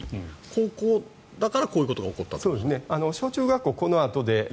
高校だからこういうことが起こった？